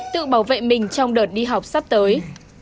tự bảo vệ mình trong đợt đi học sắp tới